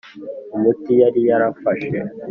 umuti yari yarafashe,